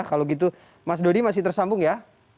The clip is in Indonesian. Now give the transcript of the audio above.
kalau gitu mas dodi masih tersambung ya